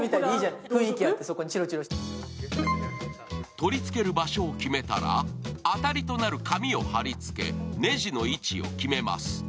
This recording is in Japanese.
取り付ける場所を決めたら、あたりとなる紙を貼りつけねじの位置を決めます。